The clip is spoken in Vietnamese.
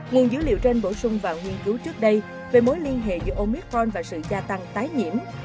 nguồn dữ liệu trên bổ sung vào nghiên cứu trước đây về mối liên hệ giữa omitforn và sự gia tăng tái nhiễm